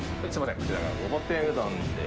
こちらがごぼ天うどんです。